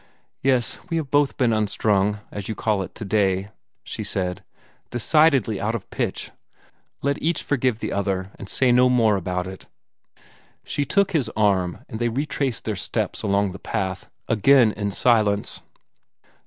"Yes, we have both been unstrung, as you call it, today," she said, decidedly out of pitch. "Let each forgive the other, and say no more about it." She took his arm, and they retraced their steps along the path, again in silence.